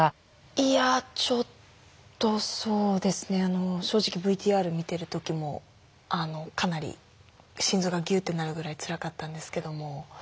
いやちょっとそうですね正直ＶＴＲ見てる時もかなり心臓がギュッてなるぐらいつらかったんですけども。